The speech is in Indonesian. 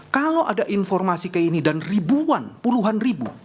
kalau ada informasi ke ini dan ribuan puluhan ribu